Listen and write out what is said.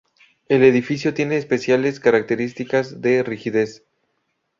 El edificio tiene especiales características de rigidez.